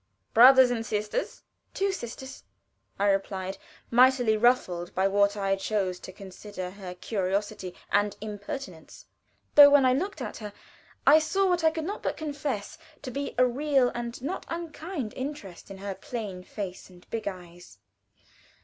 "Brothers and sisters?" "Two sisters," I replied, mightily ruffled by what I chose to consider her curiosity and impertinence; though, when I looked at her, I saw what I could not but confess to be a real, and not unkind, interest in her plain face and big eyes.